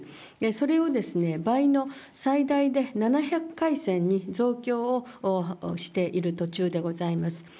それを倍の最大で７００回線に増強をしている途中でございます。